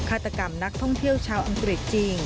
ฆาตกรรมนักท่องเที่ยวชาวอังกฤษจริง